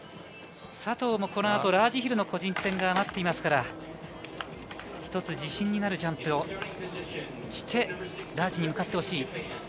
佐藤もこのあとラージヒルの個人戦が待ってますから１つ、自信になるジャンプをしてラージに向かってほしい。